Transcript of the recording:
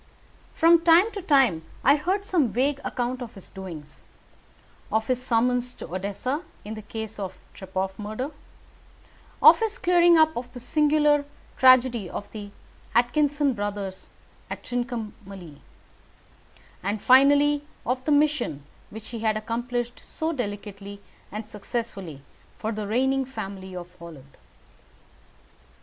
From time to time I heard some vague account of his doings; of his summons to Odessa in the case of the Trepoff murder, of his clearing up of the singular tragedy of the Atkinson brothers at Trincomalee, and finally of the mission which he had accomplished so delicately and successfully for the reigning family of Holland.